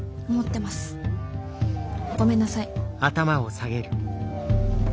ごめんなさい。